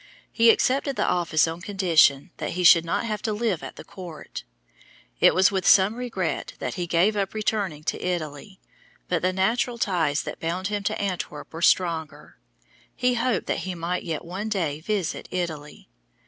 He accepted the office on condition that he should not have to live at the court. It was with some regret that he gave up returning to Italy, but the natural ties that bound him to Antwerp were stronger. He hoped that he might yet one day visit Italy.